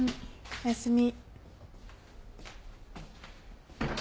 おやすみ。